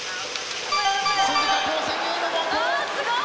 あすごい！